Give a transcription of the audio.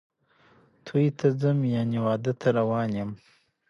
توی ته څم ،یعنی واده ته روان یم